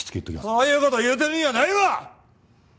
そういう事言うてるんやないわ！